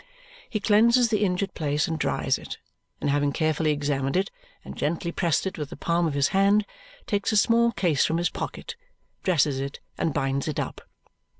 He cleanses the injured place and dries it, and having carefully examined it and gently pressed it with the palm of his hand, takes a small case from his pocket, dresses it, and binds it up.